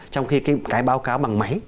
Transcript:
trong khi cái báo cáo bằng máy